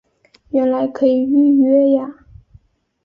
原来可以预约呀